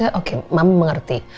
maksudnya oke mama mengerti